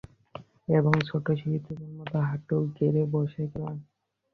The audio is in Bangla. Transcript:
এবং ছোট শিশুদের মতো হাঁটু গেড়ে বসে গেলেন।